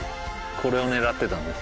これを狙ってたんです